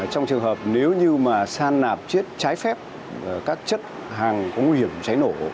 trong trường hợp nếu như mà san nạp chiếc trái phép các chất hàng có nguy hiểm trái nổ